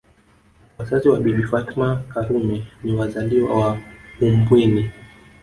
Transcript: Wazazi wa Bibi Fatma Karume ni wazaliwa wa Bumbwini